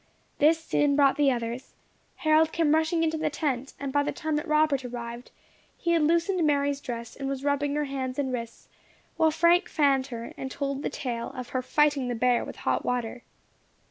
This soon brought the others. Harold came rushing into the tent, and by the time that Robert arrived, he had loosened Mary's dress, and was rubbing her hands and wrists, while Frank fanned her, and told the tale of her fighting the bear with hot water.